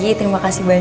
eh eh ya allah